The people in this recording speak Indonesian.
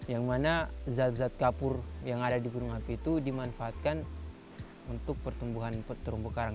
yang mana zat zat kapur yang ada di gunung api itu dimanfaatkan untuk pertumbuhan terumbu karang